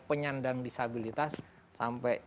penyandang disabilitas sampai